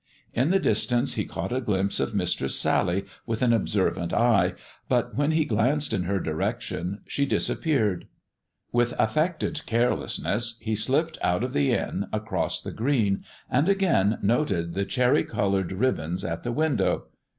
In the distance he caught a glimpse of Mistress Sally with an observant eye, but when he glanced in her direction, she disappeared. With affected carelessness he slipped out of the inn across the green, and again noted the cherry coloured ribbons at the window.